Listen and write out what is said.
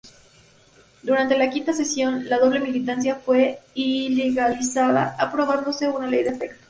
Durante la quinta sesión, la doble militancia fue ilegalizada, aprobándose una ley al efecto.